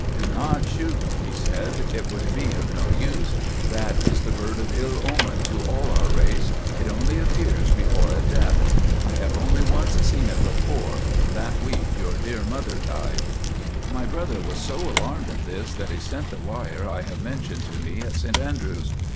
'Do not shoot,' he said, 'it would be of no use. That is the bird of ill omen to all our race, it only appears before a death. I have only once seen it before—that week your dear mother died.' "My brother was so alarmed at this that he sent the wire I have mentioned to me at St Andrews.